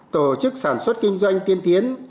tổ chức sản xuất kinh doanh tiên tiến